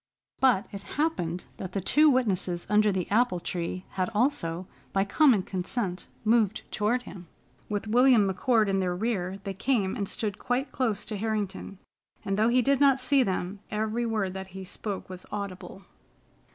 But it happened that the two witnesses under the apple tree had also, by common consent, moved toward him. With William McCord in their rear, they came and stood quite close to Harrington, and though he did not see them, every word that he spoke was audible.